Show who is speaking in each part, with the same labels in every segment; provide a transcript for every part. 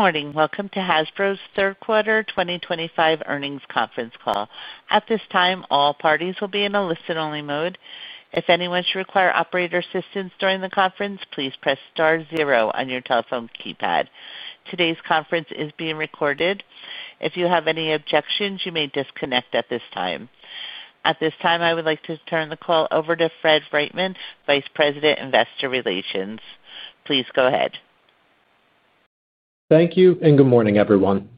Speaker 1: Good morning. Welcome to Hasbro's third quarter 2025 earnings conference call. At this time, all parties will be in a listen only mode. If anyone should require operator assistance during the conference, please press Star 0 on your telephone keypad. Today's conference is being recorded. If you have any objections, you may disconnect at this time. At this time, I would like to turn the call over to Fred Wightman, Vice President, Investor Relations. Please go ahead.
Speaker 2: Thank you and good morning everyone.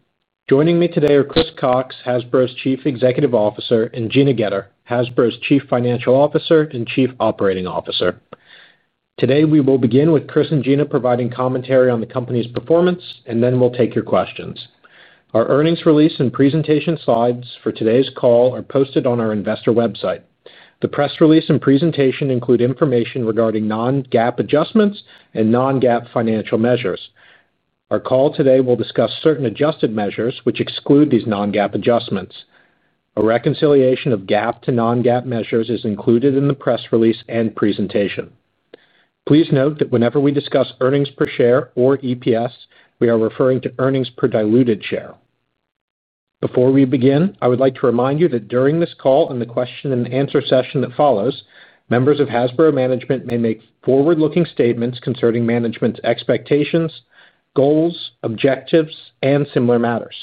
Speaker 2: Joining me today are Chris Cocks, Hasbro's Chief Executive Officer, and Gina Goetter, Hasbro's Chief Financial Officer and Chief Operating Officer. Today we will begin with Chris and Gina providing commentary on the company's performance and then we'll take your questions. Our earnings release and presentation slides for today's call are posted on our investor website. The press release and presentation include information regarding non-GAAP adjustments and non-GAAP financial measures. Our call today will discuss certain adjusted measures which exclude these non-GAAP adjustments. A reconciliation of GAAP to non-GAAP measures is included in the press release and presentation. Please note that whenever we discuss earnings per share or EPS, we are referring to earnings per diluted share. Before we begin, I would like to remind you that during this call and the question and answer session that follows, members of Hasbro management may make forward-looking statements concerning management's expectations, goals, objectives, and similar matters.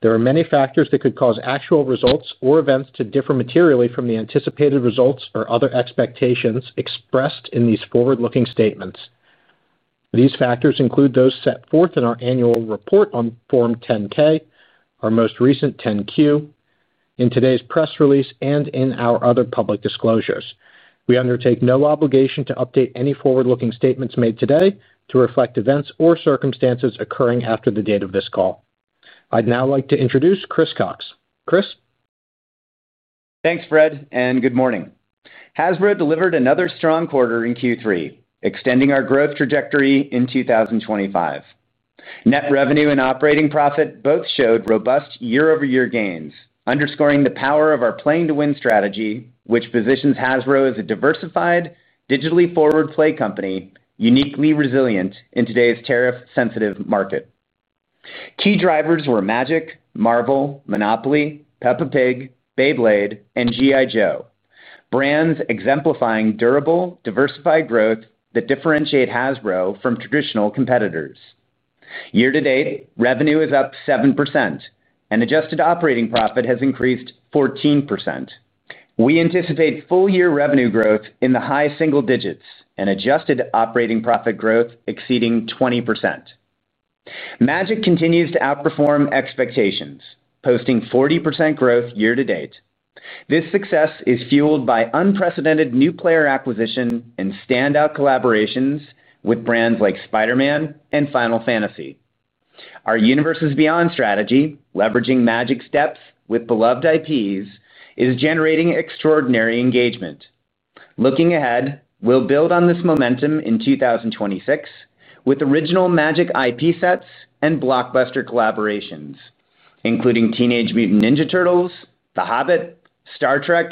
Speaker 2: There are many factors that could cause actual results or events to differ materially from the anticipated results or other expectations expressed in these forward-looking statements. These factors include those set forth in our annual report on Form 10-K, our most recent 10-Q, today's press release, and in our other public disclosures. We undertake no obligation to update any forward-looking statements made today to reflect events or circumstances occurring after the date of this call. I'd now like to introduce Chris Cocks. Chris. Thanks Fred and good morning. Hasbro delivered another strong quarter in Q3, extending our growth trajectory in 2025. Net revenue and operating profit both showed robust year-over-year gains, underscoring the power of our playing to win strategy which positions Hasbro as a diversified, digitally forward play company uniquely resilient in today's tariff-sensitive market. Key drivers were Magic: The Gathering, Marvel, Monopoly, Peppa Pig, Beyblade, and GI Joe brands, exemplifying durable, diversified growth that differentiate Hasbro from traditional competitors. Year to date, revenue is up 7% and adjusted operating profit has increased 14%. We anticipate full year revenue growth in the high single digits and adjusted operating profit growth exceeding 20%. Magic: The Gathering continues to outperform expectations, posting 40% growth year to date. This success is fueled by unprecedented new player acquisition and standout collaborations with brands like Spiderman and Final Fantasy. Our Universes Beyond strategy, leveraging Magic: The Gathering's depth with beloved IPs, is generating extraordinary engagement. Looking ahead, we'll build on this momentum in 2026 with original Magic: The Gathering IP sets and blockbuster collaborations including Teenage Mutant Ninja Turtles, The Hobbit, Star Trek,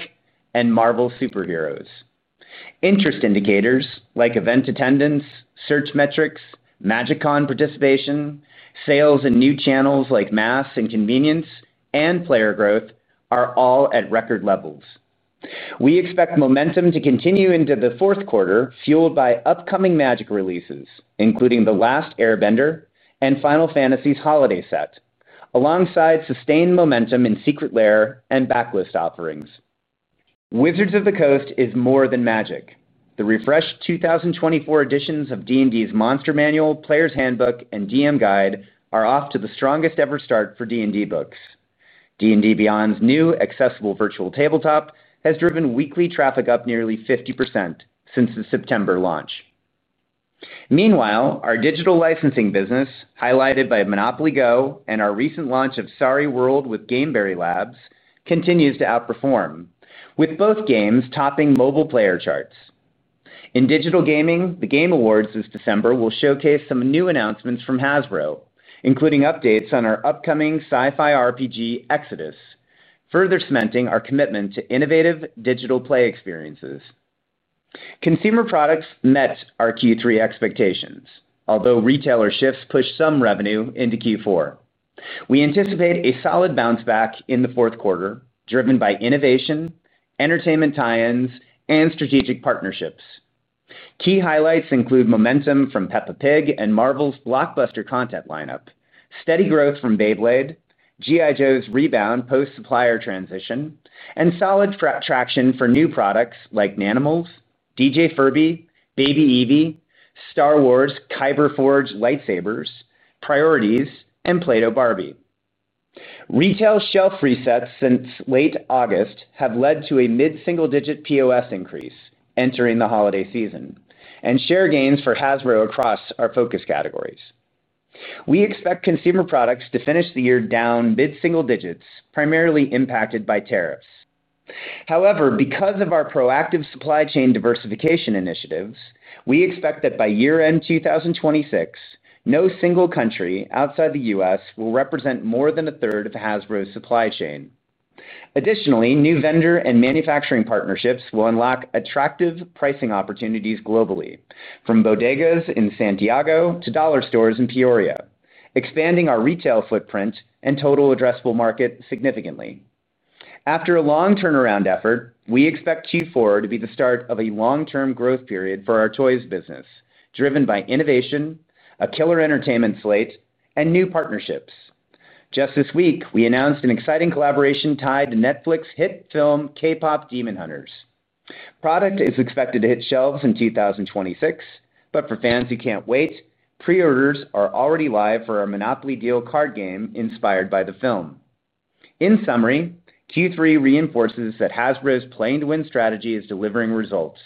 Speaker 2: and Marvel Superheroes. Interest indicators like event attendance, search metrics, MagicCon participation, sales in new channels like mass and convenience, and player growth are all at record levels. We expect momentum to continue into the fourth quarter fueled by upcoming Magic: The Gathering releases including The Last Airbender and Final Fantasy's Holiday Set. Alongside sustained momentum in Secret Lair and backlist offerings, Wizards of the Coast is more than Magic: The Gathering. The refreshed 2024 editions of Dungeons & Dragons' Monster Manual, Player's Handbook, and Dungeon Master's Guide are off to the strongest ever start for Dungeons & Dragons books. D&D Beyond's new accessible virtual tabletop has driven weekly traffic up nearly 50% since the September launch. Meanwhile, our digital licensing business, highlighted by Monopoly Go and our recent launch of Sorry World with Gameberry Labs, continues to outperform, with both games topping mobile player charts in digital gaming. The Game Awards this December will showcase some new announcements from Hasbro, including updates on our upcoming sci-fi RPG Exodus, further cementing our commitment to innovative digital play experiences. Consumer Products met our Q3 expectations, although retailer shifts pushed some revenue into Q4. We anticipate a solid bounce back in the fourth quarter driven by innovation, entertainment tie-ins, and strategic partnerships. Key highlights include momentum from Peppa Pig and Marvel's blockbuster content lineup, steady growth from Beyblade, GI Joe's rebound post supplier transition, and solid traction for new products like Nanimals, DJ Furby, Baby Eevee, Star Wars, Kyber Forged Lightsabers, Priorities, and Play-Doh Barbie. Retail shelf resets since late August have led to a mid-single-digit POS increase entering the holiday season and share gains for Hasbro across our focus categories. We expect Consumer Products to finish the year down mid-single digits, primarily impacted by tariffs. However, because of our proactive supply chain diversification initiatives, we expect that by year end 2026, no single country outside the U.S. will represent more than a third of Hasbro's supply chain. Additionally, new vendor and manufacturing partnerships will unlock attractive pricing opportunities globally from bodegas in Santiago to dollar stores in Peoria, expanding our retail footprint and total addressable market significantly. After a long turnaround effort, we expect Q4 to be the start of a long term growth period for our toys business driven by innovation, a killer entertainment slate, and new partnerships. Just this week we announced an exciting collaboration tied to Netflix hit film K-Pop Demon Hunters. Product is expected to hit shelves in 2026, but for fans who can't wait, preorders are already live for our Monopoly Deal card game inspired by the film. In summary, Q3 reinforces that Hasbro's Playing to Win strategy is delivering results.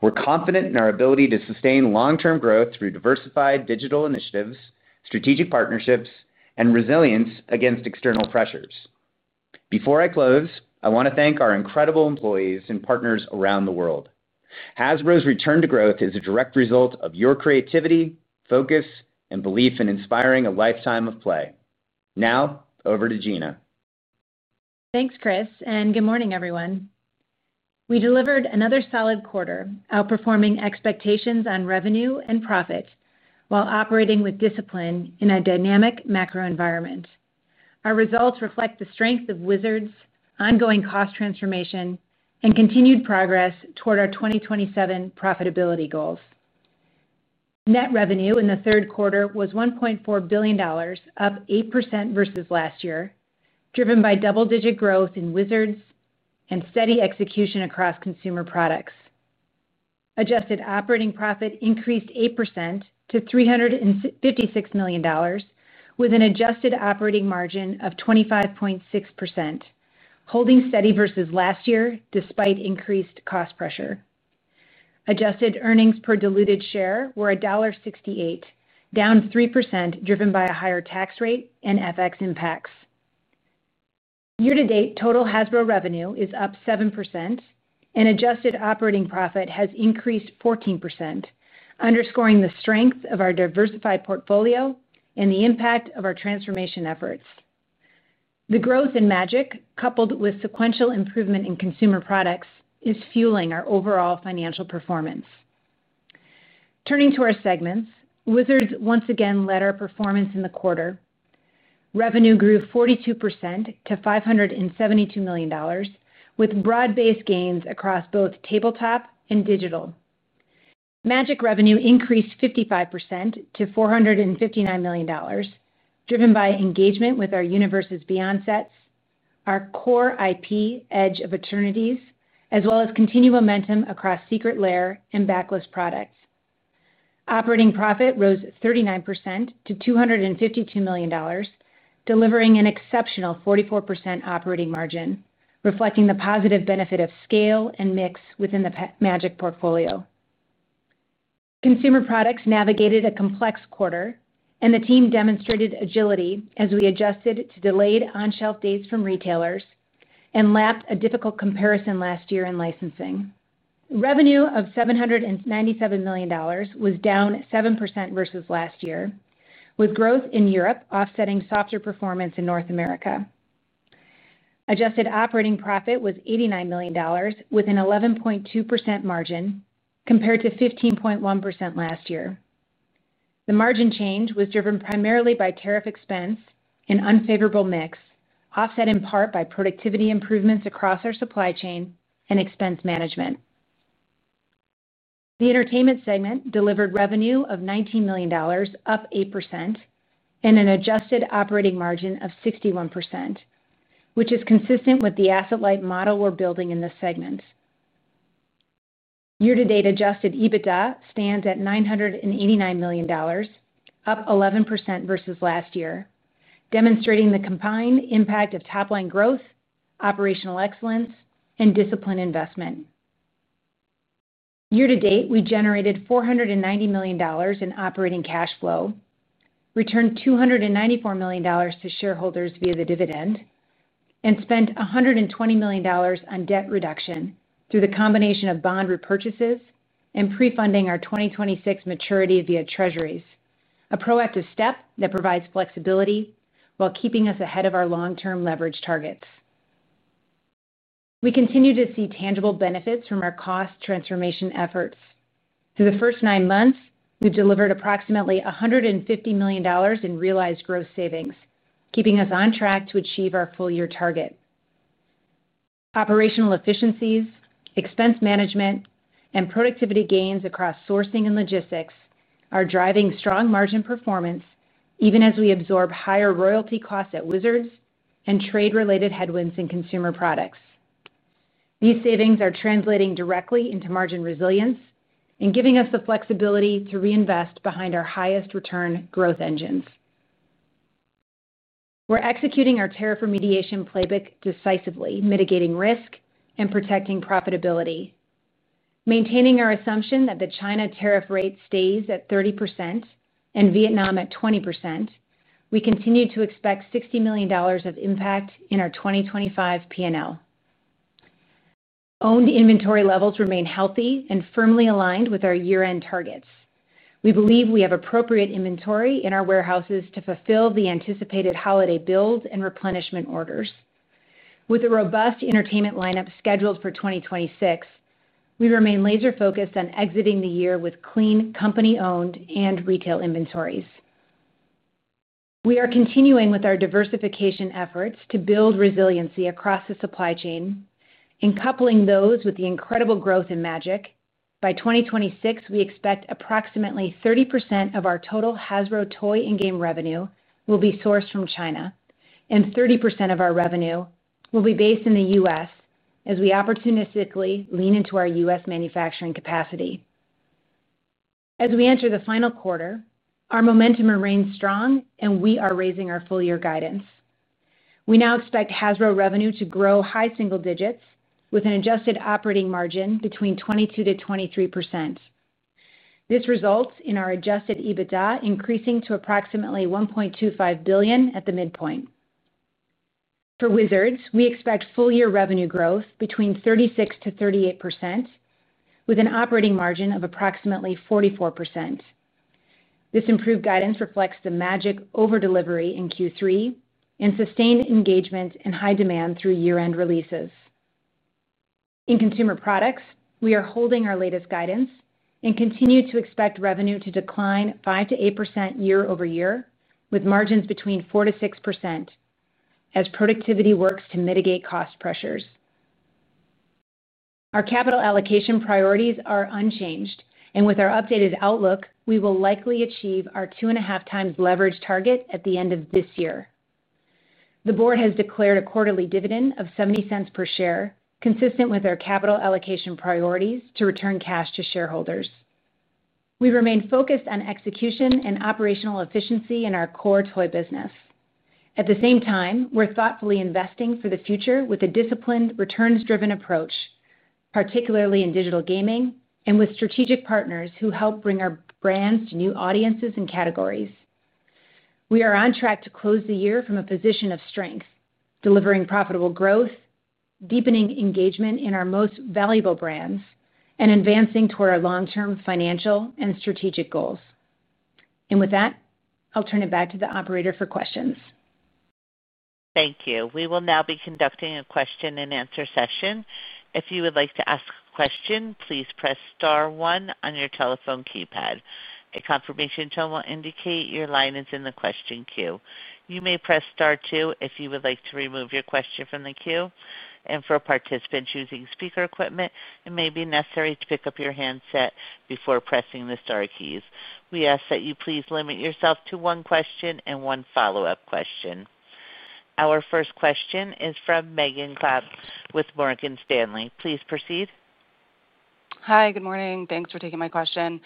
Speaker 2: We're confident in our ability to sustain long term growth through diversified digital initiatives, strategic partnerships, and resilience against external pressures. Before I close, I want to thank our incredible employees and partners around the world. Hasbro's return to growth is a direct result of your creativity, focus, and belief in inspiring a lifetime of play. Now over to Gina.
Speaker 1: Thanks Chris and good morning everyone. We delivered another solid quarter, outperforming expectations on revenue and profit while operating with discipline in a dynamic macro environment. Our results reflect the strength of Wizards, ongoing cost transformation, and continued progress toward our 2027 profitability goals. Net revenue in the third quarter was $1.4 billion, up 8% versus last year, driven by double-digit growth in Wizards and steady execution across consumer products. Adjusted operating profit increased 8% to $356 million with an adjusted operating margin of 25.6%, holding steady versus last year despite increased cost pressure. Adjusted earnings per diluted share were $1.68, down 3%, driven by a higher tax rate and FX impacts. Year to date, total Hasbro revenue is up 7% and adjusted operating profit has increased 14%, underscoring the strength of our diversified portfolio and the impact of our transformation efforts. The growth in Magic coupled with sequential improvement in consumer products is fueling our overall financial performance. Turning to our segments, Wizards once again led our performance in the quarter. Revenue grew 42% to $572 million with broad-based gains across both Tabletop and Digital. Magic revenue increased 55% to $459 million, driven by engagement with our Universes Beyond sets, our core IP Edge of Eternities, as well as continued momentum across Secret Lair and Backlist products. Operating profit rose 39% to $252 million, delivering an exceptional 44% operating margin, reflecting the positive benefit of scale and mix. Within the Magic portfolio, consumer products navigated a complex quarter and the team demonstrated agility as we adjusted to delayed on-shelf dates from retailers and lapped a difficult comparison. Last year in licensing, revenue of $797 million was down 7% versus last year, with growth in Europe offsetting softer performance in North America. Adjusted operating profit was $89 million with an 11.2% margin compared to 15.1% last year. The margin change was driven primarily by tariff expense and unfavorable mix, offset in part by productivity improvements across our supply chain and expense management. The entertainment segment delivered revenue of $19 million, up 8%, and an adjusted operating margin of 61%, which is consistent with the asset-light model we're building in this segment. Year to date. Adjusted EBITDA stands at $989 million, up 11% versus last year, demonstrating the combined impact of top line growth, operational excellence, and disciplined investment. Year to date, we generated $490 million in operating cash flow, returned $294 million to shareholders via the dividend, and spent $120 million on debt reduction through the combination of bond repurchases and pre-funding our 2026 maturity via treasuries, a proactive step that provides flexibility while keeping us ahead of our long term leverage targets. We continue to see tangible benefits from our cost transformation efforts. Through the first nine months, we've delivered approximately $150 million in realized gross savings, keeping us on track to achieve our full year target. Operational efficiencies, expense management, and productivity gains across sourcing and logistics are driving strong margin performance even as we absorb higher royalty costs at Wizards of the Coast and trade related headwinds in consumer products. These savings are translating directly into margin resilience and giving us the flexibility to reinvest behind our highest return growth engines. We're executing our tariff remediation playbook decisively, mitigating risk and protecting profitability. Maintaining our assumption that the China tariff rate stays at 30% and Vietnam at 20%, we continue to expect $60 million of impact in our 2025 P&L. Owned inventory levels remain healthy and firmly aligned with our year end targets. We believe we have appropriate inventory in our warehouses to fulfill the anticipated holiday build and replenishment orders. With a robust entertainment lineup scheduled for 2026, we remain laser focused on exiting the year with clean company owned and retail inventories. We are continuing with our diversification efforts to build resiliency across the supply chain and coupling those with the incredible growth in Magic: The Gathering. By 2026, we expect approximately 30% of our total Hasbro toy and game revenue will be sourced from China and 30% of our revenue will be based in the U.S. as we opportunistically lean into our U.S. manufacturing capacity. As we enter the final quarter, our momentum remains strong and we are raising our full year guidance. We now expect Hasbro revenue to grow high single digits with an adjusted operating margin between 22% to 23%. This results in our adjusted EBITDA increasing to approximately $1.25 billion at the midpoint. For Wizards, we expect full year revenue growth between 36% to 38% with an operating margin of approximately 44%. This improved guidance reflects the Magic over delivery in Q3 and sustained engagement and high demand through year end releases in consumer products. We are holding our latest guidance and continue to expect revenue to decline 5% to 8% year over year with margins between 4% to 6% as productivity works to mitigate cost pressures. Our capital allocation priorities are unchanged and with our updated outlook we will likely achieve our 2.5 times leverage target at the end of this year. The Board has declared a quarterly dividend of $0.70 per share. Consistent with our capital allocation priorities to return cash to shareholders, we remain focused on execution and operational efficiency in our core toy business. At the same time, we're thoughtfully investing for the future with a disciplined, returns driven approach, particularly in Digital Gaming and with strategic partners who help bring our brands to new audiences and categories. We are on track to close the year from a position of strength, delivering profitable growth, deepening engagement in our most valuable brands and advancing toward our long term financial and strategic goals. With that, I'll turn it back to the operator for questions. Thank you. We will now be conducting a question and answer session. If you would like to ask a question, please press Star one on your telephone keypad. A confirmation tone will indicate your line is in the question queue. You may press Star two if you would like to remove your question from the queue. For participants using speaker equipment, it may be necessary to pick up your handset before pressing the Star keys. We ask that you please limit yourself to one question and one follow up question. Our first question is from Megan Clapp with Morgan Stanley. Please proceed. Hi, good morning. Thanks for taking my question.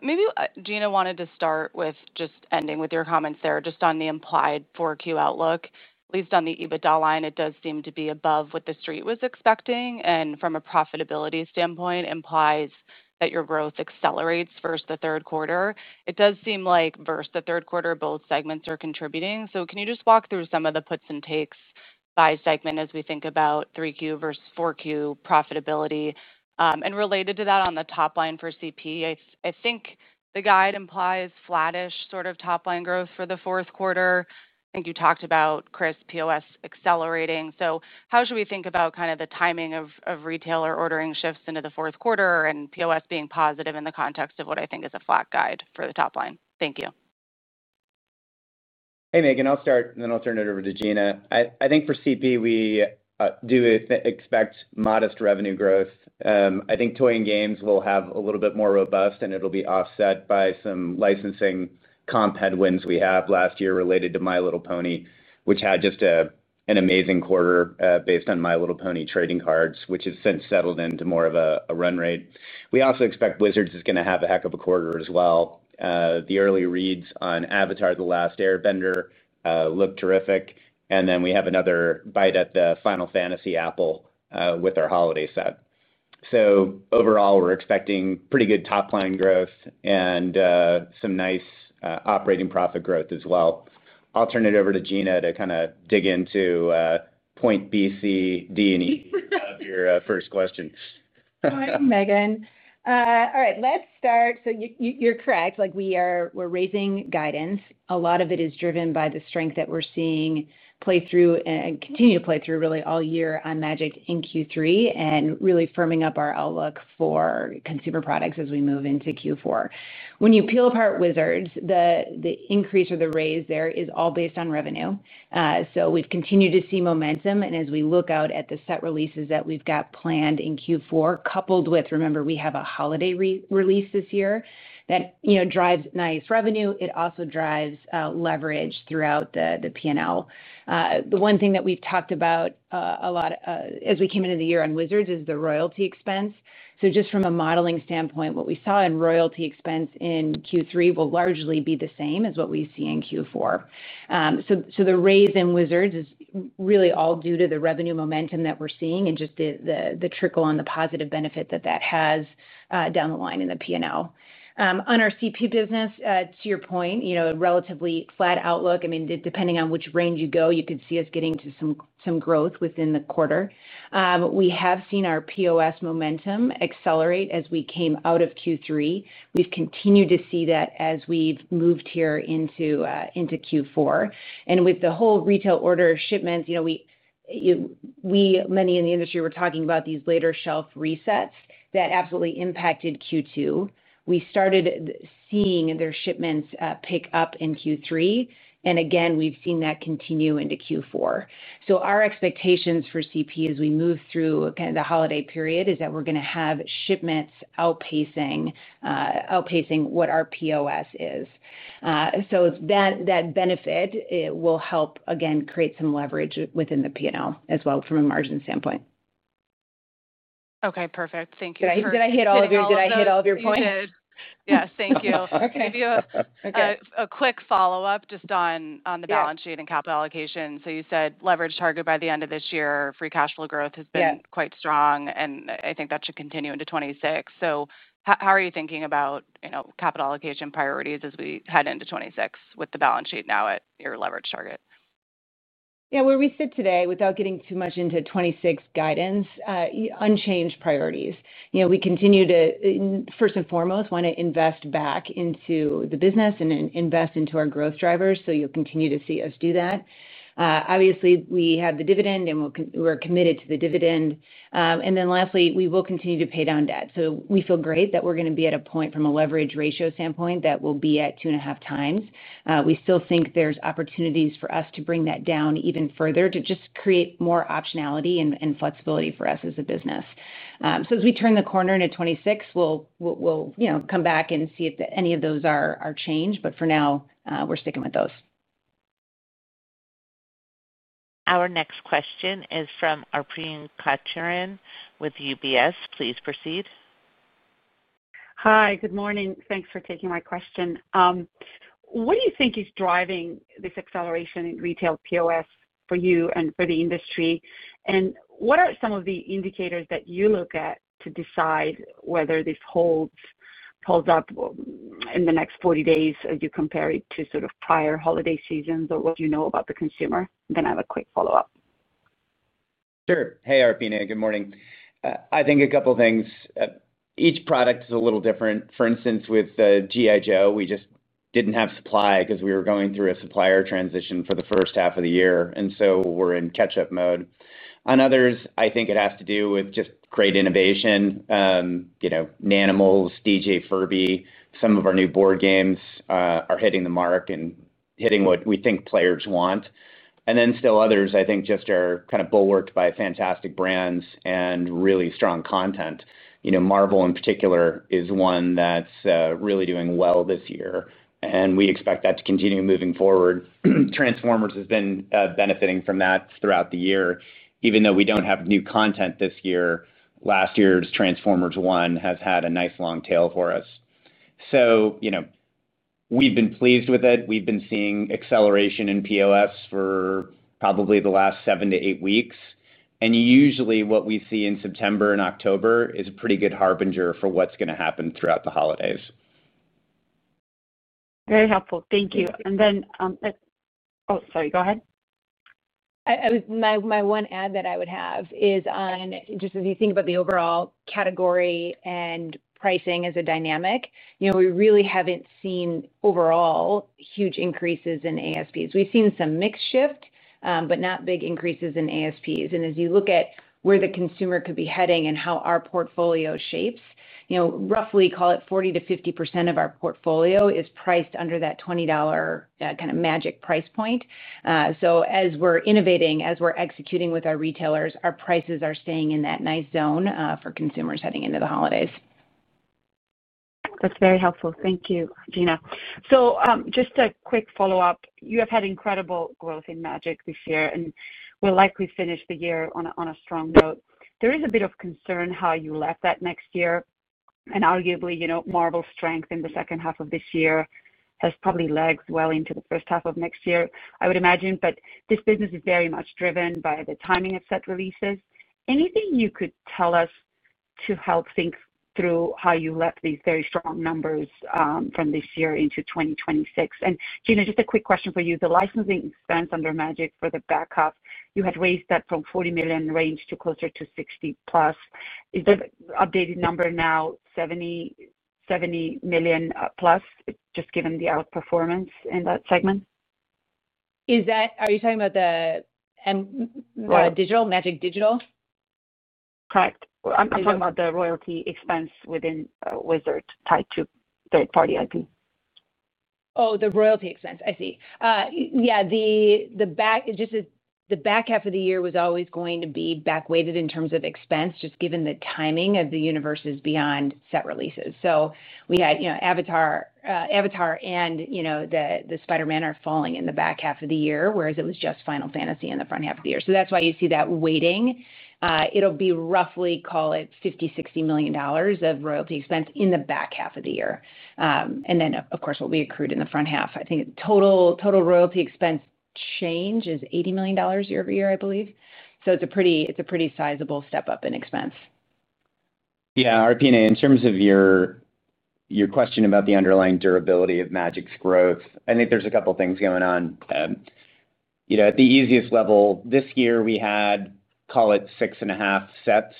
Speaker 1: Maybe Gina, wanted to start with just ending with your comments there just on the implied Q4 outlook. At least on the EBITDA line it does seem to be above what the street was expecting and from a profitability standpoint implies that your growth accelerates versus the third quarter. It does seem like versus the third quarter both segments are contributing. Can you just walk through some of the puts and takes by segment as we think about 3Q versus 4Q profitability, and related to that, on the top line for CP, I think the guide implies flattish sort of top line growth for the fourth quarter. I think you talked about, Chris, POS accelerating, so how should we think about the timing of retailer ordering shifts into the fourth quarter and POS being positive in the context of what I think is a flat guide for the top line? Thank you.
Speaker 2: Hey, Megan, I'll start and then I'll turn it over to Gina. I think for CP, we do expect modest revenue growth. I think toy and games will have a little bit more robust, and it'll be offset by some licensing comp headwinds we have last year related to My Little Pony, which had just an amazing quarter based on My Little Pony trading cards, which has since settled into more of a run rate. We also expect Wizards is going to have a heck of a quarter as well. The early reads on the last Airbender looked terrific. We have another bite at the Final Fantasy apple with our holiday set. Overall, we're expecting pretty good top line growth and some nice operating profit growth as well. I'll turn it over to Gina to kind of dig into point B, C, D, and E of your first question.
Speaker 1: Megan. All right, let's start. You're correct, we are raising guidance. A lot of it is driven by the strength that we're seeing play through and continue to play through really all year on Magic: The Gathering in Q3 and really firming up our outlook for consumer products as we move into Q4. When you peel apart Wizards of the Coast, the increase or the raise there is all based on revenue. We've continued to see momentum, and as we look out at the set releases that we've got planned in Q4, coupled with, remember, we have a holiday release this year that drives nice revenue. It also drives leverage throughout the P&L. The one thing that we've talked about a lot as we came into the year on Wizards of the Coast is the royalty expense. Just from a modeling standpoint, what we saw in royalty expense in Q3 will largely be the same as what we see in Q4. The raise in Wizards of the Coast is really all due to the revenue momentum that we're seeing and just the trickle on the positive benefit that has down the line in the P&L on our consumer products business. To your point, a relatively flat outlook. Depending on which range you go, you could see us getting to some growth within the quarter. We have seen our POS momentum accelerate as we came out of Q3. We've continued to see that as we've moved here into Q4, and with the whole retail order shipments, many in the industry were talking about these later shelf resets that absolutely impacted Q2. We started seeing their shipments pick up in Q3, and we've seen that continue into Q4. Our expectations for consumer products as we move through the holiday period is that we're going to have shipments outpacing what our POS is. That benefit will help again create some leverage within the P&L as well from a margin standpoint. Okay, perfect. Thank you. Did I hit all of your points? Yes, thank you. Can I do a quick follow up just on the balance sheet and capital allocation? You said leverage target by the end of this year, free cash flow growth has been quite strong and I think that should continue into 2026. How are you thinking about capital allocation priorities as we head into 2026 with the balance sheet now at your leverage target? Where we sit today, without getting too much into 2026 guidance, unchanged priorities. We continue to first and foremost want to invest back into the business and invest into our growth drivers. You'll continue to see us do that. Obviously, we have the dividend and we're committed to the dividend. Lastly, we will continue to pay down debt. We feel great that we're going to be at a point from a leverage ratio standpoint that will be at 2.5 times. We still think there's opportunities for us to bring that down even further to just create more optionality and flexibility for us as a business. As we turn the corner in 2026, we'll come back and see if any of those are changed. For now we're sticking with those. Our next question is from Arpine Kocharyan with UBS. Please proceed. Hi, good morning. Thanks for taking my question. What do you think is driving this acceleration in retail positive for you and for the industry? What are some of the indicators that you look at to decide whether this holds up in the next 40 days? Do you compare it to prior holiday seasons or what you know about the consumer? I have a quick follow up.
Speaker 2: Sure. Hey Arpine, good morning. I think a couple things. Each product is a little different. For instance, with GI Joe, we just didn't have supply because we were going through a supplier transition for the first half of the year. We are in catch up mode on others. I think it has to do with just great innovation. Nanimals, DJ Furby. Some of our new board games are hitting the mark and hitting what we think players want. Still others I think just are kind of bulwarked by fantastic brands and really strong content. Marvel in particular is one that's really doing well this year and we expect that to continue moving forward. Transformers has been benefiting from that throughout the year, even though we don't have new content this year. Last year's Transformers 1 has had a nice long tail for us. We've been pleased with it. We've been seeing acceleration in POS for probably the last seven to eight weeks. Usually what we see in September and October is a pretty good harbinger for what's going to happen throughout the holidays.
Speaker 1: Very helpful, thank you. My one add that I would have is, just as you think about the overall category and pricing as a dynamic, we really haven't seen overall huge increases in ASPs. We've seen some mix shift, but not big increases in ASPs. As you look at where the consumer could be heading and how our portfolio shapes, roughly call it 40% to 50% of our portfolio is priced under that $20 kind of magic price point. As we're innovating, as we're executing with our retailers, our prices are staying in that nice zone for consumers heading into the holidays. That's very helpful. Thank you, Gina. Just a quick follow up. You have had incredible growth in Magic this year and we'll likely finish the year on a strong note. There is a bit of concern how you left that next year. Arguably, Marvel's strength in the second half of this year has probably lagged well into the first half of next year, I would imagine. This business is very much driven by the timing of set releases. Anything you could tell us to help think through how you left these very strong numbers from this year into 2026? Gina, just a quick question for you. The licensing expense under Magic for the back half, you had raised that from $40 million range to closer to $60 million. Updated number now $70 million plus, just given the outperformance in that segment. Is that, are you talking about the digital Magic, Digital, correct? I'm talking about the royalty expense within Wizards of the Coast tied to third party IP. Oh, the royalty expense, I see. The back half of the year was always going to be back weighted in terms of expense just given the timing of the Universes Beyond. We had Avatar and the Spider-Man are falling in the back half of the year, whereas it was just Final Fantasy in the front half of the year. That's why you see that weighting. It'll be roughly, call it $50 million to $60 million of royalty expense in the back half of the year. Then, of course, what we accrued in the front half. I think total royalty expense change is $80 million year over year, I believe. It's a pretty sizable step up in expense.
Speaker 2: Yeah. Arpine, in terms of your question about the underlying durability of Magic's growth, I think there's a couple things going on. At the easiest level this year we had, call it, six and a half sets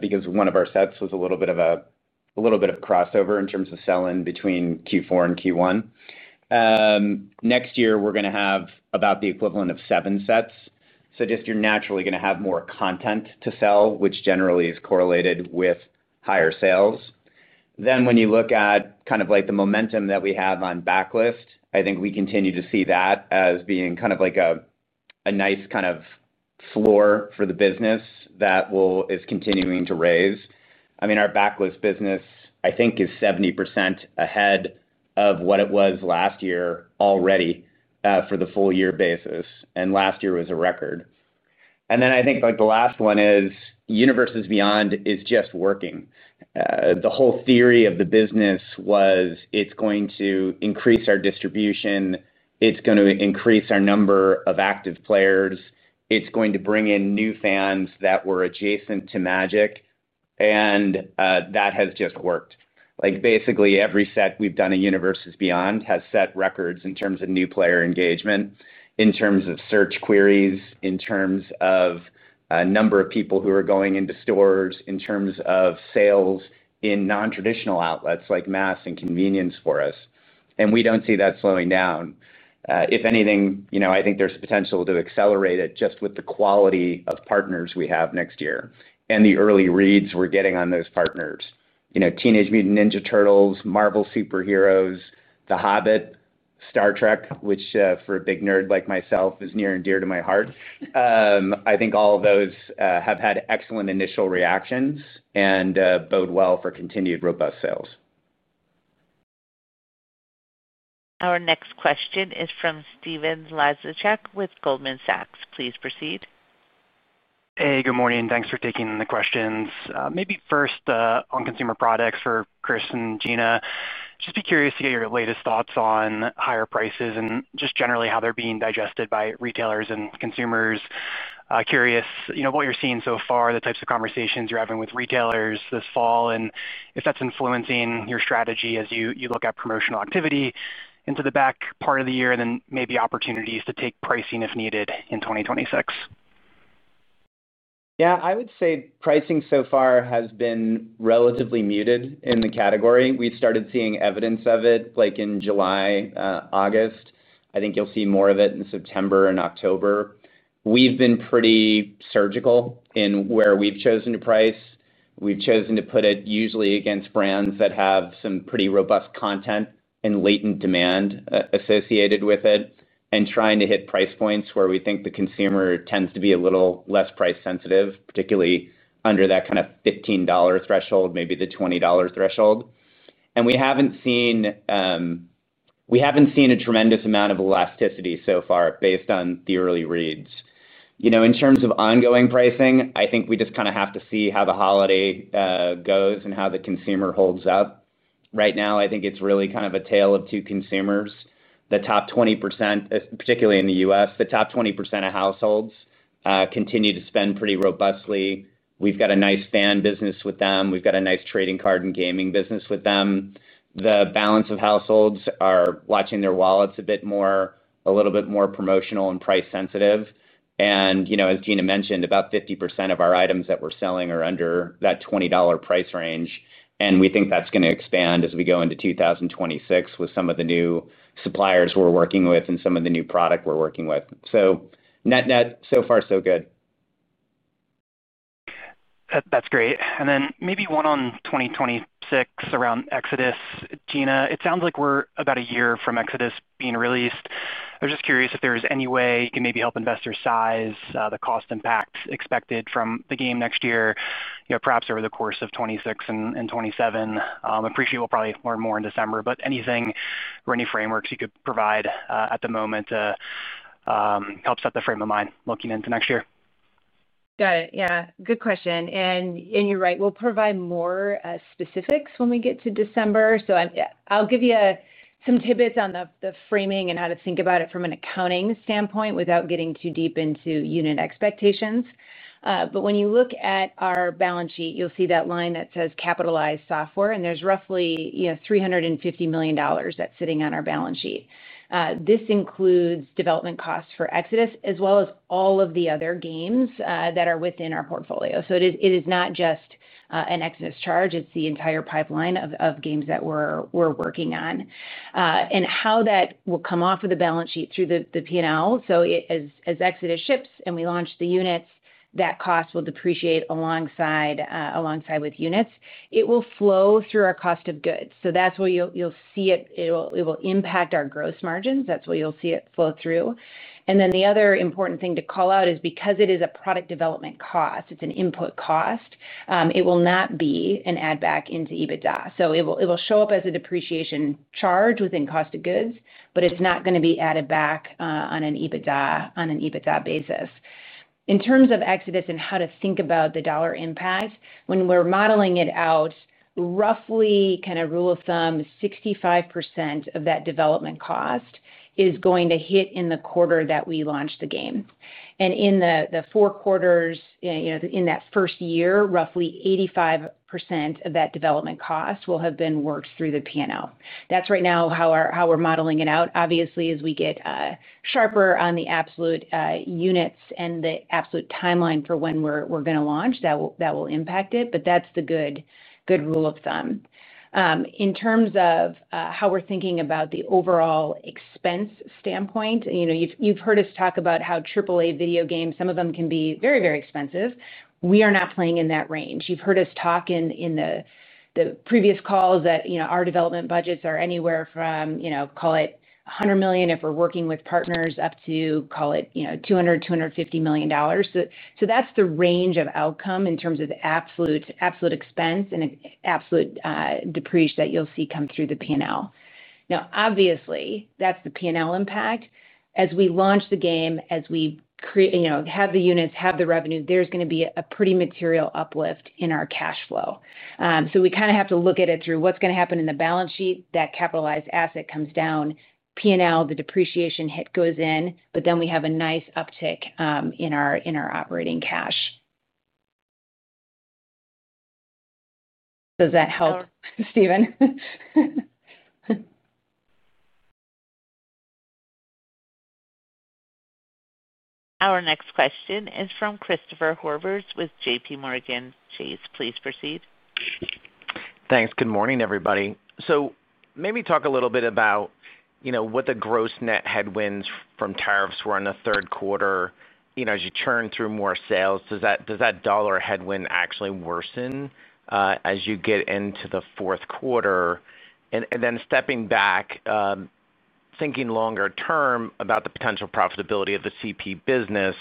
Speaker 2: because one of our sets was a little bit of crossover in terms of sell-in between Q4 and Q1. Next year we're going to have about the equivalent of seven sets. You are naturally going to have more content to sell, which generally is correlated with higher sales. When you look at the momentum that we have on Backlist, I think we continue to see that as being a nice kind of floor for the business that is continuing to raise. Our Backlist business, I think, is 70% ahead of what it was last year already on a full year basis, and last year was a record. The last one is Universes Beyond is just working. The whole theory of the business was it's going to increase our distribution, it's going to increase our number of active players, it's going to bring in new fans that were adjacent to Magic, and that has just worked. Basically every set we've done in Universes Beyond has set records in terms of new player engagement, in terms of search queries, in terms of number of people who are going into stores, in terms of sales in non-traditional outlets like mass and convenience for us. We don't see that slowing down. If anything, I think there's potential to accelerate it just with the quality of partners we have next year and the early reads we're getting on those partners. Teenage Mutant Ninja Turtles, Marvel Superheroes, The Hobbit, Star Trek, which for a big nerd like myself is near and dear to my heart. I think all of those have had excellent initial reactions and bode well for continued robust sales.
Speaker 1: Our next question is from Stephen Laszcyzk with Goldman Sachs. Please proceed.
Speaker 2: Hey, good morning. Thanks for taking the questions. Maybe first on consumer products for Chris and Gina. Just be curious to get your latest thoughts on higher prices and just generally how they're being digested by retailers and consumers. Curious what you're seeing so far, the types of conversations you're having with retailers this fall and if that's influencing your strategy as you look at promotional activity into the back part of the year, maybe opportunities to take pricing if needed in 2026. Yeah, I would say pricing so far has been relatively muted in the category. We started seeing evidence of it like in July, August. I think you'll see more of it in September and October. We've been pretty surgical in where we've chosen to price. We've chosen to put it usually against brands that have some pretty robust content and latent demand associated with it and trying to hit price points where we think the consumer tends to be a little less price sensitive, particularly under that kind of $15 threshold, maybe the $20 threshold. We haven't seen a tremendous amount of elasticity so far based on the early reads in terms of ongoing pricing. I think we just kind of have to see how the holiday goes and how the consumer holds up. Right now I think it's really kind of a tale of two consumers. The top 20%, particularly in the U.S., the top 20% of households continue to spend pretty robustly. We've got a nice fan business with them. We've got a nice trading card and gaming business with them. The balance of households are watching their wallets a bit more, a little bit more promotional and price sensitive. As Gina mentioned, about 50% of our items that we're selling are under that $20 price range. We think that's going to expand as we go into 2026 with some of the new suppliers we're working with and some of the new product we're working with. Net net so far so good. That's great. Maybe one on 2026 around Exodus. Gina, it sounds like we're about a year from Exodus being released. I was just curious if there is any way you can maybe help investors size the cost impact expected from the game next year, perhaps over the course of 2026 and 2027. Appreciate it. We'll probably learn more in December, but anything or any frameworks you could provide at the moment help set the frame of mind looking into next year.
Speaker 1: Got it? Yeah, good question. You're right, we'll provide more specifics when we get to December. I'll give you some tidbits on the framing and how to think about it from an accounting standpoint without getting too deep into unit expectations. When you look at our balance sheet, you'll see that line that says capitalized software and there's roughly $350 million that's sitting on our balance sheet. This includes development costs for Exodus as well as all of the other games that are within our portfolio. It is not just an Exodus charge, it's the entire pipeline of games that we're working on and how that will come off of the balance sheet through the P&L. As Exodus ships and we launch the units, that cost will depreciate alongside with units. It will flow through our cost of goods. That's where you'll see it, it will impact our gross margins. That's what you'll see it flow through. The other important thing to call out is because it is a product development cost, it's an input cost, it will not be an add back into EBITDA. It will show up as a depreciation charge within cost of goods, but it's not going to be added back on an EBITDA basis. In terms of Exodus and how to think about the dollar impact when we're modeling it out, roughly, kind of rule of thumb, 65% of that development cost is going to hit in the quarter that we launch the game. In the four quarters in that first year, roughly 85% of that development cost will have been worked through the P&L. That's right now how we're modeling it out. Obviously, as we get sharper on the absolute units and the absolute timeline for when we're going to launch, that will impact it. That's the good rule of thumb in terms of how we're thinking about the overall expense standpoint. You've heard us talk about how AAA video games, some of them can be very, very expensive. We are not playing in that range. You've heard us talk in the previous calls that our development budgets are anywhere from, call it $100 million, if we're working with partners, up to, call it, $200 million, $250 million. That's the range of outcome in terms of the absolute expense and absolute depreciation that you'll see come through the P&L. Obviously, that's the P&L impact as we launch the game, as we have the units, have the revenue, there's going to be a pretty material uplift in our cash flow. We kind of have to look at it through what's going to happen in the balance sheet. That capitalized asset comes down P&L, the depreciation hit goes in, but then we have a nice uptick in our operating cash. Does that help, Steven? Our next question is from Christopher Horvers with JPMorgan Chase & Company. Please proceed.
Speaker 2: Thanks. Good morning, everybody. Maybe talk a little bit about what the gross net headwinds from tariffs were in the third quarter. As you churn through more sales, does that dollar headwind actually worsen as you get into the fourth quarter? Stepping back, thinking longer term about the potential profitability of the CP business,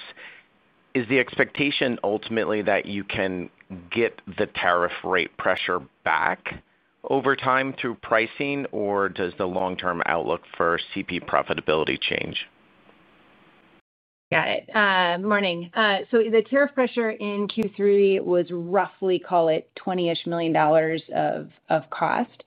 Speaker 2: is the expectation ultimately that you can get the tariff rate pressure back over time through pricing, or does the long term outlook for CP profitability change?
Speaker 1: Got it. Morning. The tariff pressure in Q3 was roughly, call it, $20 million of cost.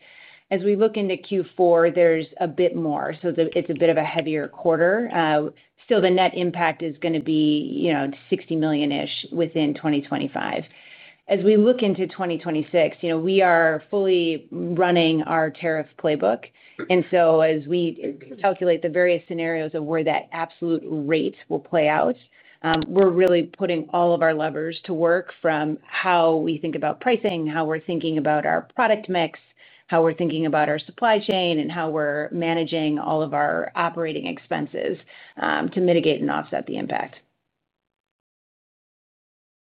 Speaker 1: As we look into Q4, there's a bit more. It's a bit of a heavier quarter still. The net impact is going to be $60 million within 2025. As we look into 2026, we are fully running our tariff playbook. As we calculate the various scenarios of where that absolute rate will play out, we're really putting all of our levers to work from how we think about pricing, how we're thinking about our product mix, how we're thinking about our supply chain, and how we're managing all of our operating expenses to mitigate and offset the impact.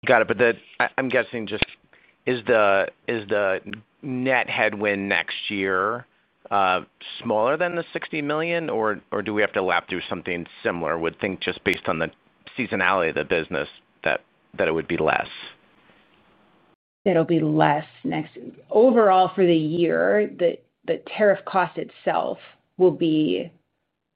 Speaker 2: Got it. I'm guessing, is the net headwind next year smaller than the $60 million, or do we have to lap through something similar? Would think, just based on the seasonality of the business, that it would be less?
Speaker 1: It'll be less next overall for the year. The tariff cost itself will be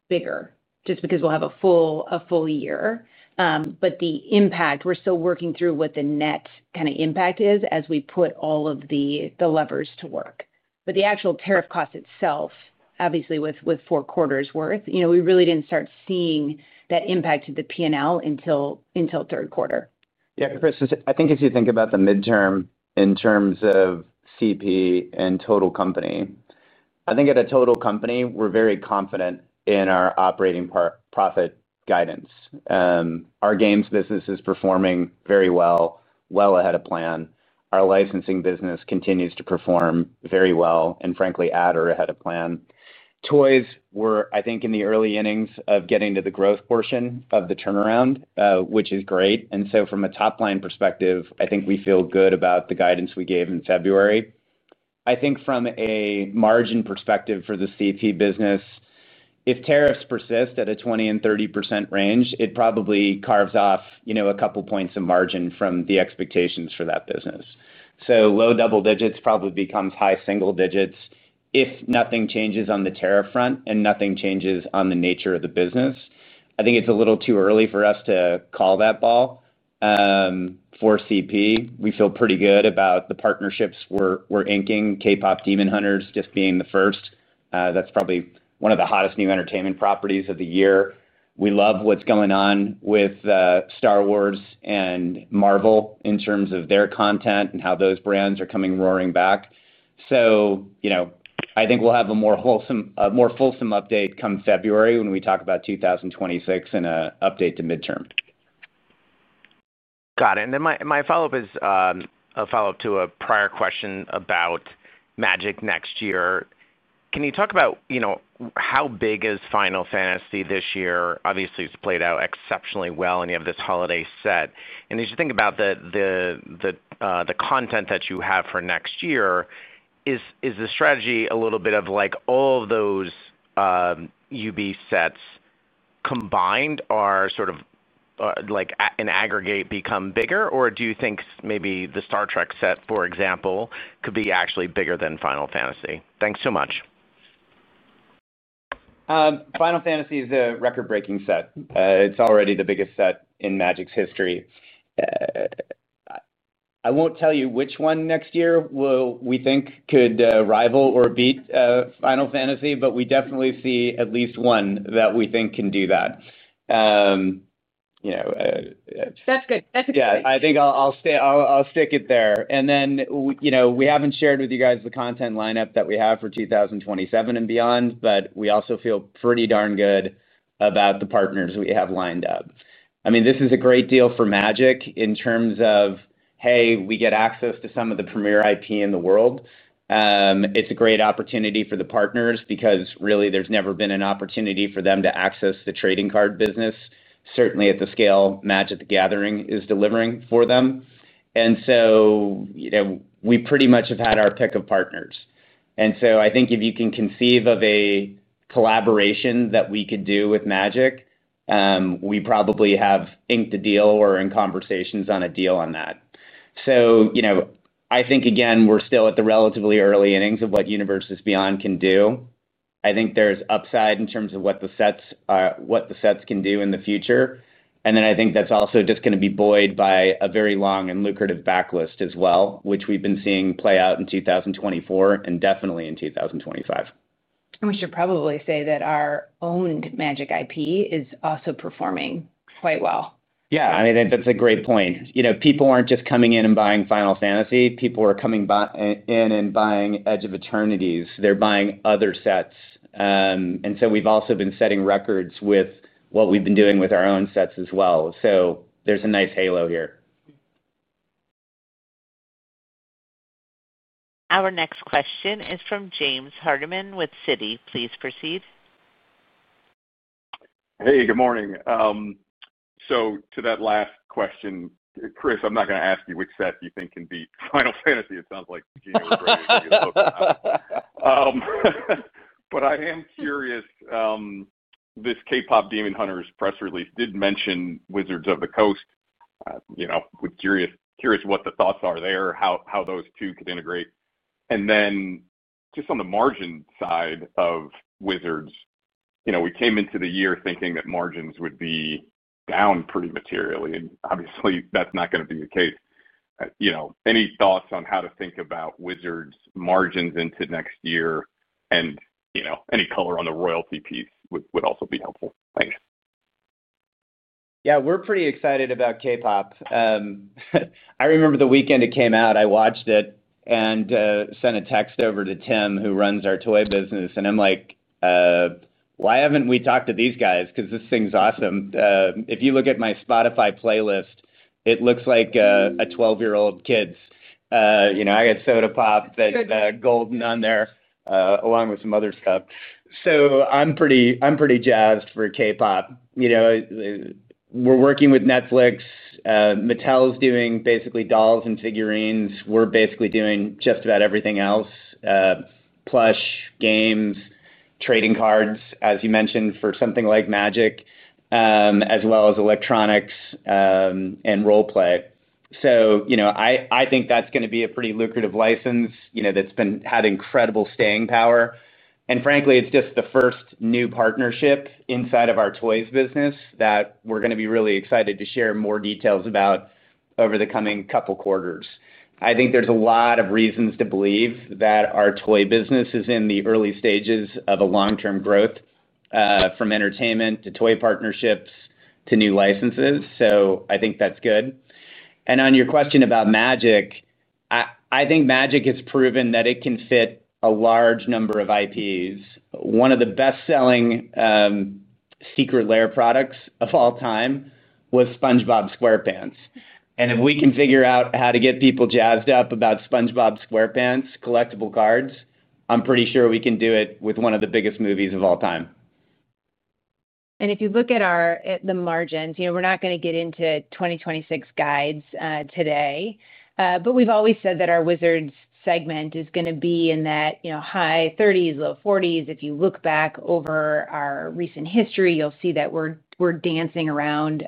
Speaker 1: bigger just because we'll have a full year, but the impact, we're still working through what the net impact is as we put all of the levers to work. The actual tariff cost itself, obviously with four quarters' worth, we really didn't start seeing that impact to the P&L until third quarter.
Speaker 2: Yeah, Chris, I think if you think about the midterm in terms of CP and total company, I think at a total company, we're very confident in our operating profit guidance. Our games business is performing very well, well ahead of plan. Our licensing business continues to perform very well, and frankly, at or ahead of plan. Toys were, I think, in the early innings of getting to the growth portion of the turnaround, which is great. From a top line perspective, I think we feel good about the guidance we gave in February. From a margin perspective for the CP business, if tariffs persist at a 20% and 30% range, it probably carves off a couple points of margin from the expectations for that business. Low double digits probably becomes high single digits if nothing changes on the tariff front and nothing changes on the nature of the business. I think it's a little too early for us to call that ball for CP. We feel pretty good about the partnerships we're inking. K-Pop Demon Hunters just being the first, that's probably one of the hottest new entertainment properties of the year. We love what's going on with Star Wars and Marvel in terms of their content and how those brands are coming roaring back. I think we'll have a more fulsome update come February when we talk about 2026 and an update to midterm. Got it. My follow up is a follow up to a prior question about Magic next year. Can you talk about how big is Final Fantasy this year? Obviously, it's played out exceptionally well and you have this holiday set. As you think about the content that you have for next year, is the strategy a little bit of like all those Universes Beyond sets combined are sort of like in aggregate become bigger, or do you think maybe the Star Trek set, for example, could be actually bigger than Final Fantasy? Thanks so much. Final Fantasy is a record breaking set. It's already the biggest set in Magic's history. I won't tell you which one next year we think could rival or beat Final Fantasy, but we definitely see at least one that we think can do that.
Speaker 1: That's good.
Speaker 2: I think I'll stick it there. We haven't shared with you the content lineup that we have for 2027 and beyond, but we also feel pretty darn good about the partners we have lined up. I mean, this is a great deal for Magic: The Gathering in terms of, hey, we get access to some of the premier IP in the world. It's a great opportunity for the partners because really there's never been an opportunity for them to access the trading card business, certainly at the scale Magic: The Gathering is delivering for them. We pretty much have had our pick of partners. I think if you can conceive of a collaboration that we could do with Magic: The Gathering, we probably have inked a deal or are in conversations on a deal on that. I think we're still at the relatively early innings of what Universes Beyond can do. I think there's upside in terms of what the sets can do in the future. I think that's also just going to be buoyed by a very long and lucrative backlist as well, which we've been seeing play out in 2024 and definitely in 2025.
Speaker 1: We should probably say that our owned Magic: The Gathering IP is also performing quite well.
Speaker 2: Yeah, that's a great point. People aren't just coming in and buying Final Fantasy. People are coming in and buying Edge of Eternities. They're buying other sets. We've also been setting records with what we've been doing with our own sets as well. There's a nice halo here.
Speaker 1: Our next question is from James Hardiman with Citi. Please proceed.
Speaker 2: Hey, good morning. To that last question, Chris, I'm not going to ask you which set you think can beat Final Fantasy. It sounds like genius. I am curious. This K-Pop Demon Hunters press release did mention Wizards of the Coast. Curious what the thoughts are there, how those two could integrate. On the margin side of Wizards, we came into the year thinking that margins would be down pretty materially and obviously that's not going to be the case. Any thoughts on how to think about Wizards margins into next year? Any color on the royalty piece would also be helpful. Thanks. Yeah, we're pretty excited about K-Pop. I remember the weekend it came out. I watched it and sent a text over to Tim who runs our toy business and I'm like, why haven't we talked to these guys? This thing's awesome. If you look at my Spotify playlist, it looks like a 12-year-old kid's. I had Soda Pop that Golden on there along with some other stuff. I'm pretty jazzed. For K-Pop, we're working with Netflix, Mattel is doing basically dolls and figurines. We're basically doing just about everything else: plush, games, trading cards as you mentioned for something like Magic: The Gathering, as well as electronics and role play. I think that's going to be a pretty lucrative license that's had incredible staying power. Frankly, it's just the first new partnership inside of our toys business that we're going to be really excited to share more details about over the coming couple quarters. I think there's a lot of reasons to believe that our toy business is in the early stages of a long-term growth from entertainment to toy partnerships to new licenses. I think that's good. On your question about Magic: The Gathering, I think Magic has proven that it can fit a large number of IPs. One of the best-selling Secret Lair products of all time was SpongeBob SquarePants. If we can figure out how to get people jazzed up about SpongeBob SquarePants collectible cards, I'm pretty sure we can do it with one of the biggest movies of all time.
Speaker 1: If you look at the margins, we're not going to get into 2026 guides today. We've always said that our Wizards segment is going to be in that high 30s, low 40s. If you look back over our recent history, you'll see that we're dancing around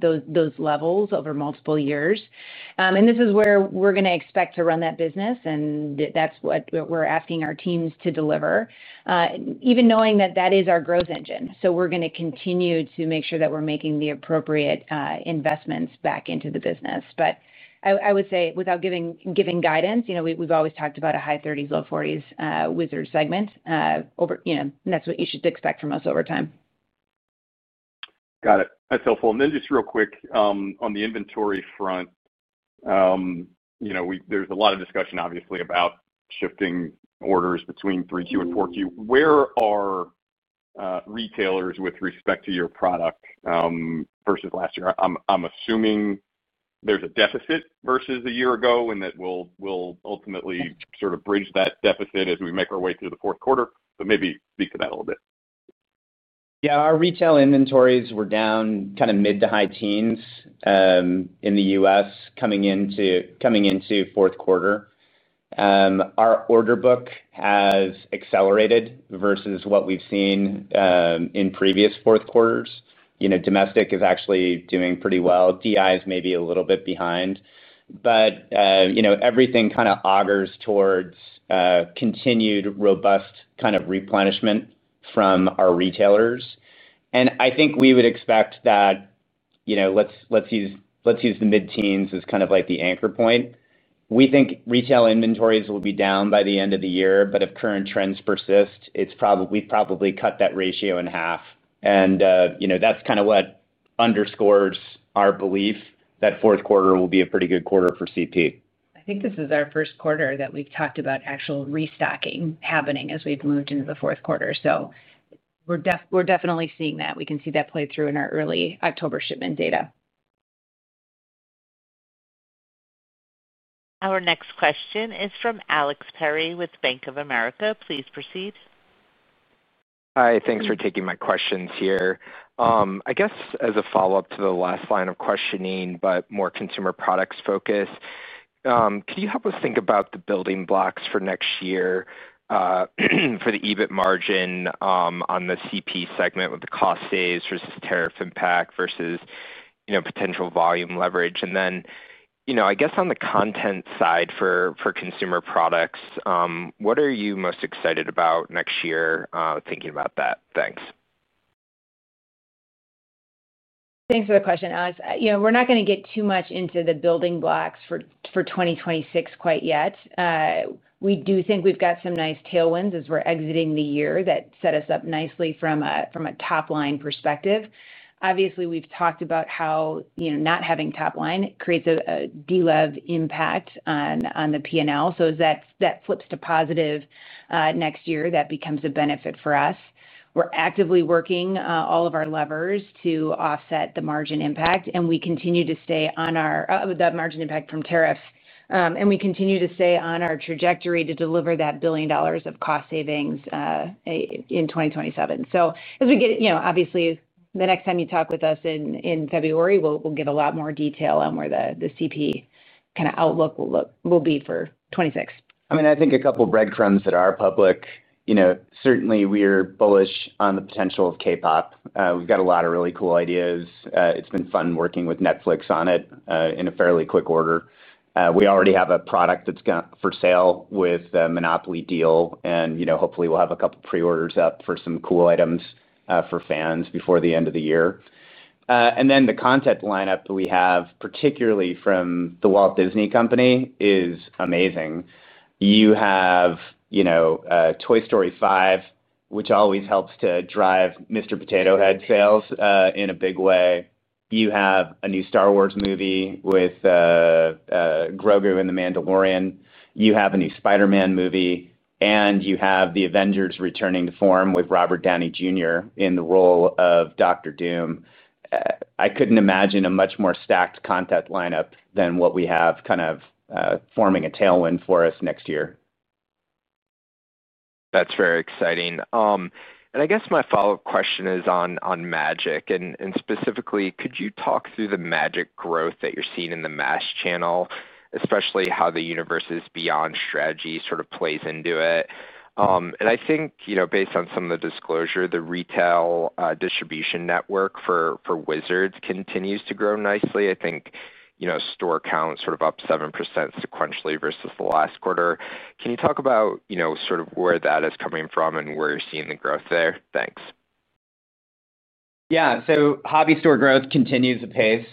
Speaker 1: those levels over multiple years. This is where we're going to expect to run that business. That's what we're asking our teams to deliver, even knowing that that is our growth engine. We're going to continue to make sure that we're making the appropriate investments back into the business. I would say without giving guidance, we've always talked about a high 30s, low 40s Wizards segment. That's what you should expect from us over time.
Speaker 2: Got it. That's helpful. Just real quick on the inventory front, there's a lot of discussion obviously about shifting orders between 3Q and 4Q. Where are retailers with respect to your product versus last year? I'm assuming there's a deficit versus a year ago. That will ultimately sort of bridge that deficit as we make our way through the fourth quarter, but maybe speak to that a little bit. Our retail inventories were down kind of mid to high teens in the U.S. coming into fourth quarter. Our order book has accelerated versus what we've seen in previous fourth quarters. Domestic is actually doing pretty well. DI is maybe a little bit behind, but everything kind of augurs towards continued robust kind of replenishment from our retailers. I think we would expect that, let's use the mid teens as kind of like the anchor point. We think retail inventories will be down by the end of the year, but if current trends persist, it's probably cut that ratio in half. That's kind of what underscores our belief that fourth quarter will be a pretty good quarter for cp.
Speaker 1: I think this is our first quarter that we've talked about actual restocking happening as we've moved into the fourth quarter. We're definitely seeing that. We can see that play through in our early October shipment data. Our next question is from Alexander Perry with Bank of America. Please proceed.
Speaker 2: Hi. Thanks for taking my questions here. I guess as a follow-up to the last line of questioning, but more consumer products focus. Can you help us think about the building blocks for next year for the EBIT margin on the CP segment? With the cost saves versus tariff impacts versus potential volume leverage. I guess on the content side for consumer products, what are you most excited about next year thinking about that? Thanks.
Speaker 1: Thanks for the question, Alex. You know, we're not going to get too much into the building blocks for 2026 quite yet. We do think we've got some nice tailwinds as we're exiting the year that set us up nicely from a top line perspective. Obviously, we've talked about how not having top line creates a delegation on the P&L. As that flips to positive next year, that becomes a benefit for us. We're actively working all of our levers to offset the margin impact, and we continue to stay on our margin impact from tariffs, and we continue to stay on our trajectory to deliver that $1 billion of cost savings in 2027. As we get, obviously, the next time you talk with us in February, we'll give a lot more detail on where the CP kind of outlook will look, will be for 2026.
Speaker 2: I mean, I think a couple breadcrumbs that are public. You know, certainly we are bullish on the potential of K-Pop. We've got a lot of really cool ideas. It's been fun working with Netflix on it in a fairly quick order. We already have a product that's for sale with Monopoly Deal and, you know, hopefully we'll have a couple pre-orders up for some cool items for fans before the end of the year. The content lineup that we have, particularly from The Walt Disney Company, is amazing. You have Toy Story 5, which always helps to drive Mr. Potato Head sales in a big way. You have a new Star Wars movie with Grogu and The Mandalorian. You have a new Spider-Man movie, and you have the Avengers returning to form with Robert Downey Jr. in the role of Dr. Doom. I couldn't imagine a much more stacked content lineup than what we have, kind of forming a tailwind for us next year. That's very exciting, I guess. My follow-up question is on Magic and specifically, could you talk through the Magic growth that you're seeing in the Mass Channel, especially how the Universes Beyond strategy sort of plays into it. I think based on some of the disclosure, the retail distribution network for Wizards of the Coast continues to grow nicely. I think store count is sort of up 7% sequentially versus the last quarter. Can you talk about sort of where that is coming from and where you're seeing the growth there? Thanks. Yeah. So hobby store growth continues apace.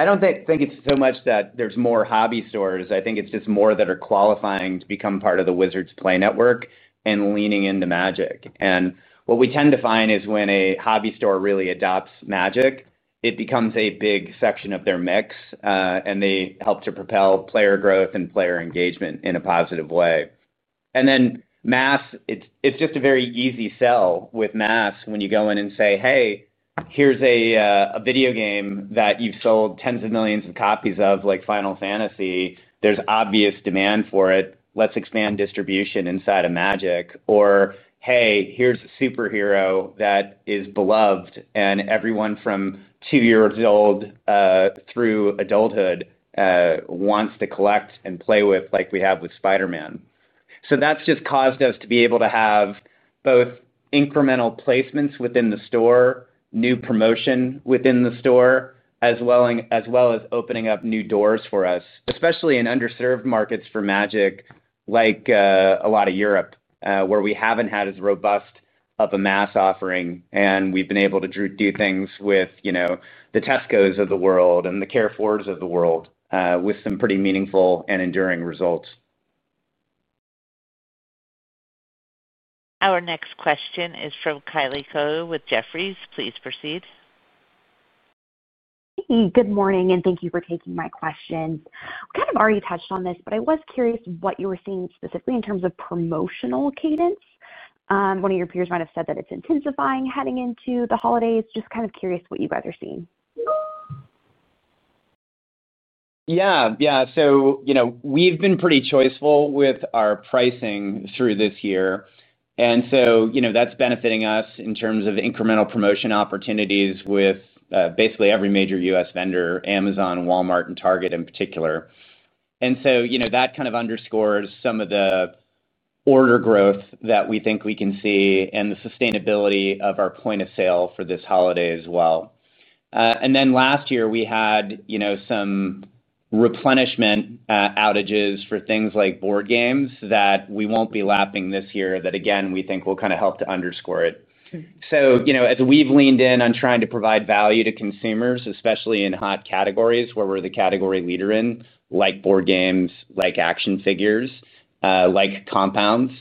Speaker 2: I don't think it's so much that there's more hobby stores. I think it's just more that are qualifying to become part of the Wizards Play Network and leaning into Magic. What we tend to find is when a hobby store really adopts Magic, it becomes a big section of their mix and they help to propel player growth and player engagement in a positive way. Mass is just a very easy sell. When you go in and say, hey, here's a video game that you've sold tens of millions of copies of, like Final Fantasy, there's obvious demand for it. Let's expand distribution inside of Magic. Or, hey, here's a superhero that is beloved and everyone from 2 years old through adulthood wants to collect and play with, like we have with Spiderman. That has just caused us to be able to have both incremental placements within the store, new promotion within the store, as well as opening up new doors for us, especially in underserved markets for Magic, like a lot of Europe where we haven't had as robust a mass offering. We have been able to do things with the Tescos of the world and the Carrefours of the world with some pretty meaningful and enduring results.
Speaker 1: Our next question is from Kylie Cohu with Jefferies. Please proceed. Good morning and thank you for taking my question. Kind of already touched on this, but I was curious what you were seeing specifically in terms of promotional cadence. One of your peers might have said that it's intensifying heading into the holidays. Just kind of curious what you guys are seeing.
Speaker 2: Yeah, so we've been pretty choiceful with our pricing through this year. That's benefiting us in terms of incremental promotion opportunities with basically every major U.S. vendor, Amazon, Walmart, and Target in particular. That kind of underscores some of the order growth that we think we can see and the sustainability of our point of sale for this holiday as well. Last year we had some replenishment outages for things like board games that we won't be lapping this year. That again, we think will kind of help to underscore it. As we've leaned in on trying to provide value to consumers, especially in hot categories where we're the category leader, like board games, like action figures, like compounds,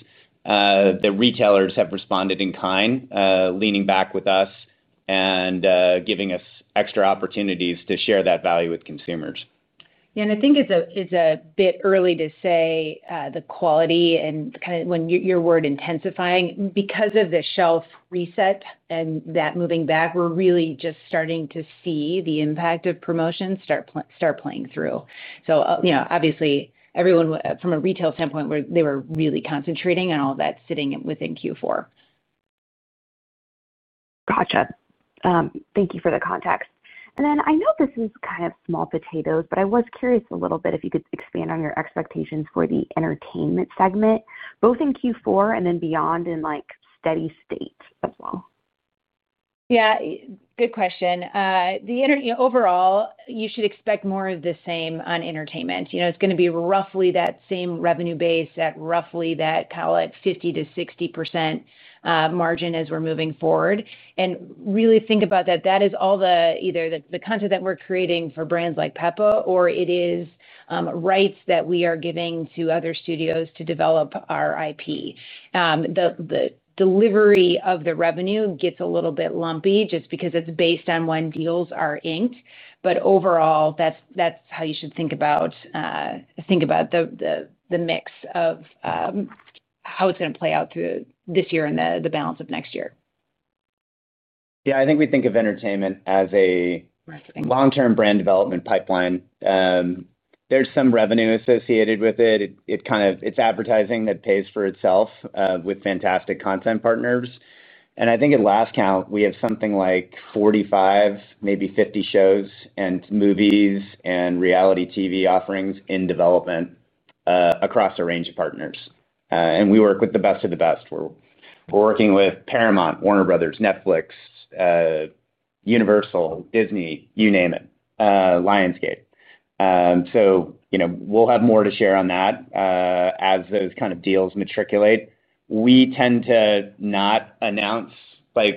Speaker 2: the retailers have responded in kind, leaning back with us and giving us extra opportunities to share that value with consumers.
Speaker 1: Yeah, I think it's a bit early to say the quality and kind of when your word intensifying because of the shelf reset and that moving back, we're really just starting to see the impact of promotions start playing through. Obviously, everyone from a retail standpoint, they were really concentrating on all that sitting within Q4. Gotcha. Thank you for the context. I know this is kind of small potatoes, but I was curious a little bit if you could expand on your expectations for the entertainment segment both in Q4 and then beyond in like steady state as well. Good question. Overall, you should expect more of the same on entertainment. It's going to be roughly that same revenue base, roughly that, call it 50 to 60% margin as we're moving forward and really think about that, that is all. Either the content that we're creating for brands like Peppa Pig or it is rights that we are giving to other studios to develop our IP. The delivery of the revenue gets a little bit lumpy just because it's based on when deals are inked. Overall, that's how you should think about the mix of how it's going to play out through this year and the balance of next year.
Speaker 2: Yeah, I think we think of entertainment as a long term brand development pipeline. There's some revenue associated with it. It's advertising that pays for itself with fantastic content partners. I think at last count, we have something like 45, maybe 50 shows and movies and reality TV offerings in development across a range of partners. We work with the best of the best. We're working with Paramount, Warner Bros., Netflix, Universal, The Walt Disney Company, you name it, Lionsgate. We'll have more to share on that. As those kind of deals matriculate, we tend to not announce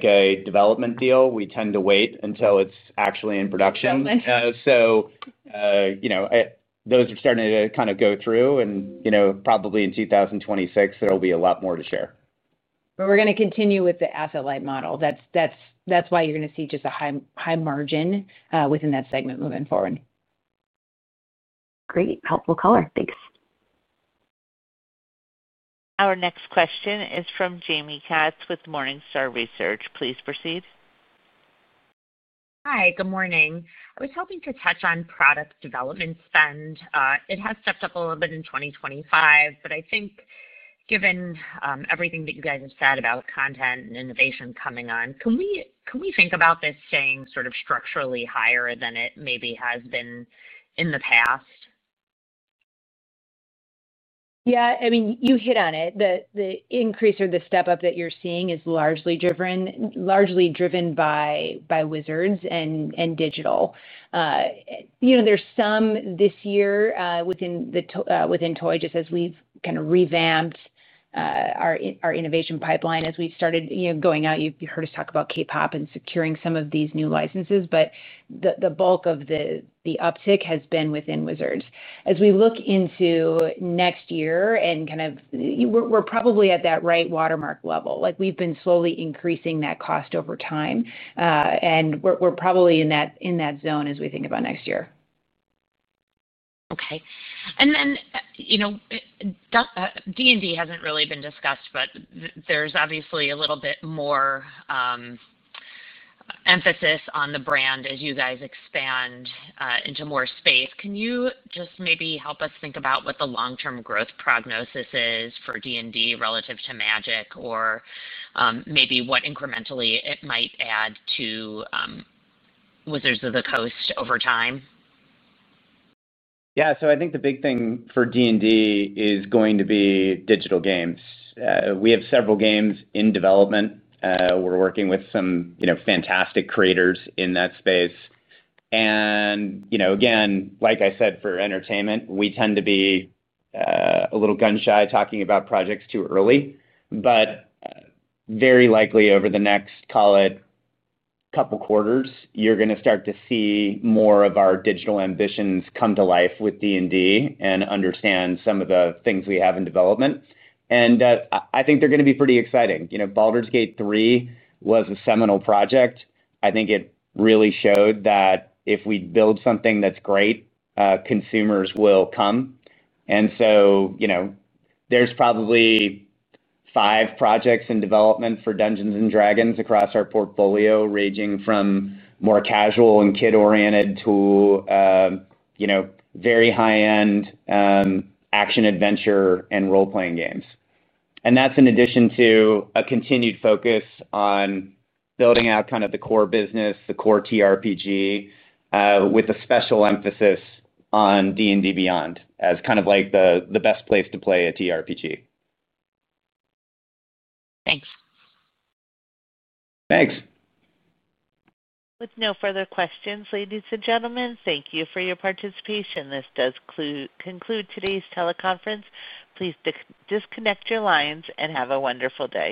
Speaker 2: a development deal. We tend to wait until it's actually in production. Those are starting to kind of go through and probably in 2026 there will be a lot more to share.
Speaker 1: We are going to continue with the asset light model. That is why you are going to see just a high margin within that segment moving forward. Great helpful color. Thanks. Our next question is from Jaime Katz with Morningstar. Please proceed. Hi, good morning. I was hoping to touch on product development spend. It has stepped up a little bit in 2025, but I think given everything that you guys have said about content and innovation coming on, can we think about this staying sort of structurally higher than it maybe has been in the past? Yeah, I mean, you hit on it. The increase or the step up that you are seeing is largely driven, largely driven by Wizards and Digital Gaming. There is some this year within Toys just as we have kind of revamped our innovation pipeline. As we started going out, you heard us talk about K-Pop Demon Hunters and securing some of these new licenses, but the bulk of the uptick has been within Wizards of the Coast. As we look into next year, we are probably at that right watermark level. We have been slowly increasing that cost over time, and we are probably in that zone as we think about next year. Okay. Dungeons & Dragons has not really been discussed, but there is obviously a little bit more emphasis on the brand as you guys expand into more space. Can you just maybe help us think about what the long-term growth prognosis is for Dungeons & Dragons relative to Magic: The Gathering or maybe what incrementally it might add to Wizards of the Coast over time?
Speaker 2: Yeah, I think the big thing for Dungeons & Dragons is going to be digital games. We have several games in development. We're working with some fantastic creators in that space. Like I said, for entertainment, we tend to be a little gun shy talking about projects too early. Very likely over the next, call it, couple quarters, you're going to start to see more of our digital ambitions come to life with Dungeons & Dragons and understand some of the things we have in development. I think they're going to be pretty exciting. Baldur's Gate 3 was a seminal project. I think it really showed that if we build something that's great, consumers will come. There's probably five projects in development for Dungeons & Dragons across our portfolio, ranging from more casual and kid oriented to very high end action adventure and role playing games. That's in addition to a continued focus on building out the core business, the core TRPG, with a special emphasis on D&D Beyond as the best place to play a TRPG.
Speaker 1: Thanks.
Speaker 2: Thanks.
Speaker 1: With no further questions, ladies and gentlemen, thank you for your participation. This does conclude today's teleconference. Please disconnect your lines and have a wonderful day.